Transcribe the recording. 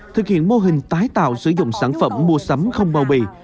thực hiện mô hình tái tạo sử dụng sản phẩm mua sắm không bao bì